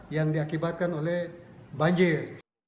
yang diperlukan oleh banjir